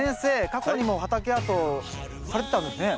過去にも畑アートをされてたんですね。